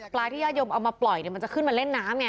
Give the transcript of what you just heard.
ที่ญาติโยมเอามาปล่อยมันจะขึ้นมาเล่นน้ำไง